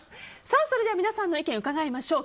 それでは皆さんの意見伺いましょう。